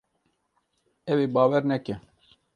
Ew ê bawer neke.